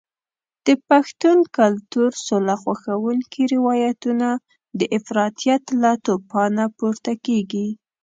د پښتون کلتور سوله خوښونکي روایتونه د افراطیت له توپانه پورته کېږي.